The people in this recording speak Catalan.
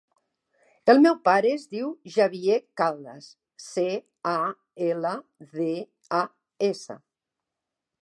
El meu pare es diu Javier Caldas: ce, a, ela, de, a, essa.